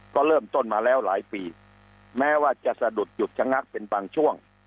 ก็เริ่มต้นมาแล้วหลายปีแม้ว่าจะสะดุดหยุดชะงักเป็นบางช่วง